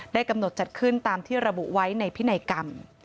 กำหนดจัดขึ้นตามที่ระบุไว้ในพินัยกรรม